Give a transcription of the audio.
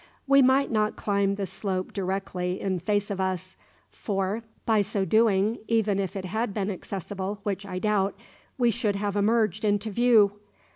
We might not climb the slope directly in face of us; for, by so doing (even if it had been accessible, which I doubt), we should have emerged into view.